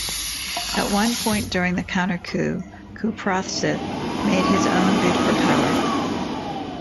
At one point during the counter-coup, Kouprasith made his own bid for power.